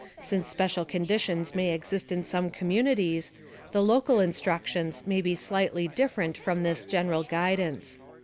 Since special conditions may exist in some communities, the local instructions may be slightly different from this general guidance.